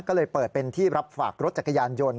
ก็เลยเปิดเป็นที่รับฝากรถจักรยานยนต์